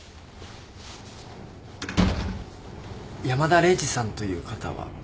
山田礼二さんという方は。